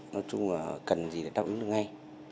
nói chung là cần gì để đạo ý được ngay